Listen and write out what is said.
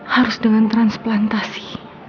harus dengan transplantasi